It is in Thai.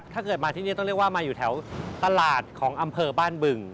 ถ้าเกิดมาที่นี่ต้องเรียกว่ามาอยู่แถวตลาดของอำเภอบ้านบึง